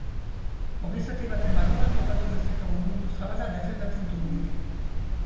Ogi zati baten barruan topatu dezakegun mundu zabala defendatzen dut nik.